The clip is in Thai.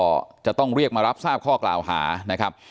แต่ฝ่ายชายเนี่ยก็จะต้องเรียกมารับทราบข้อกล่าวหานะครับ